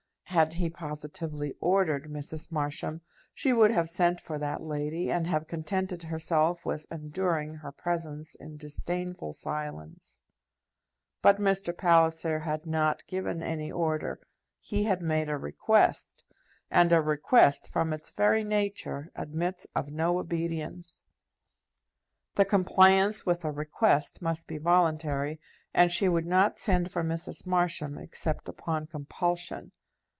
Had he positively ordered Mrs. Marsham, she would have sent for that lady, and have contented herself with enduring her presence in disdainful silence; but Mr. Palliser had not given any order. He had made a request, and a request, from its very nature, admits of no obedience. The compliance with a request must be voluntary, and she would not send for Mrs. Marsham, except upon compulsion.